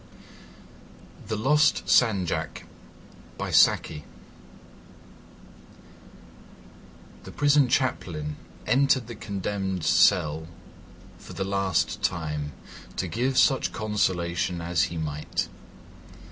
THE LOST SANJAK The prison Chaplain entered the condemned's cell for the last time, to give such consolation as he might.